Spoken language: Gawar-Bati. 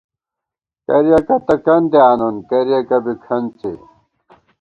کرِیَکہ تہ کندے آنون ، کریَکہ بی کھنڅے